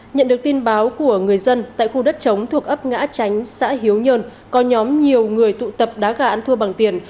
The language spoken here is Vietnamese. nhận được tin báo của người dân tại khu đất chống thuộc ấp ngã tránh xã hiếu nhơn có nhóm nhiều người tụ tập đá gà ăn thua bằng tiền